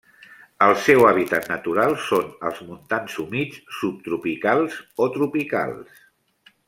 El seu hàbitat natural són els montans humits subtropicals o tropicals.